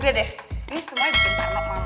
dede ini semua bikin parno mama